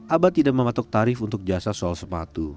abah tidak mematok tarif untuk jasa sol sepatu